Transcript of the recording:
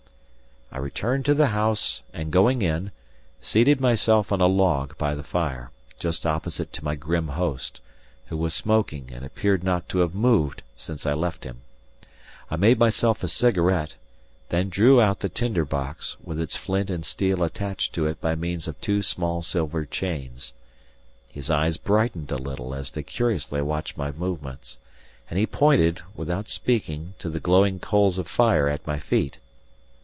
I returned to the house and, going in, seated myself on a log by the fire, just opposite to my grim host, who was smoking and appeared not to have moved since I left him. I made myself a cigarette, then drew out the tinder box, with its flint and steel attached to it by means of two small silver chains. His eyes brightened a little as they curiously watched my movements, and he pointed without speaking to the glowing coals of fire at my feet.